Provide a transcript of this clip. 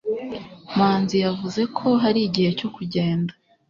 Manzi yavuze ko hari igihe cyo kugenda.